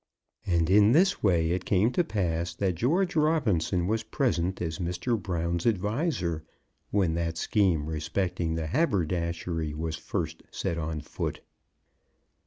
And in this way it came to pass that George Robinson was present as Mr. Brown's adviser when that scheme respecting the haberdashery was first set on foot.